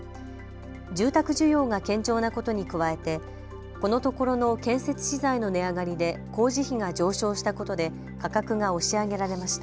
住宅需要が堅調なことに加えてこのところの建設資材の値上がりで工事費が上昇したことで価格が押し上げられました。